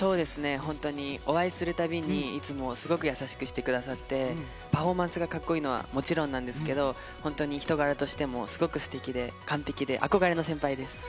お会いするたびにいつもすごく優しくしてくださってパフォーマンスがカッコイイのはもちろんなんですが人柄としてもすごくすてきで完璧で憧れの先輩です。